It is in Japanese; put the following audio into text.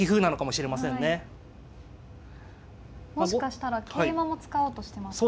もしかしたら桂馬も使おうとしてますか。